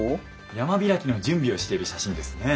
山開きの準備をしている写真ですね。